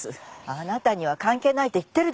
あなたには関係ないって言ってるでしょ。